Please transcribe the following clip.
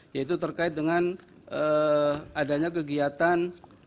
yaitu terkait dengan adanya kegiatan